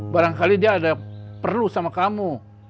barangkali dia ada perlu sama kamu